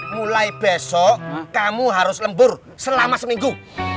mulai besok kamu harus lembur selama seminggu